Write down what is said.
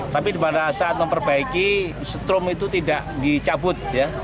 tapi pada saat memperbaiki strom itu tidak dicabut ya